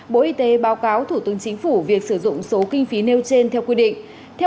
bộ y tế báo cáo thủ tướng chính phủ việc sử dụng số kinh phí nêu trên theo quy định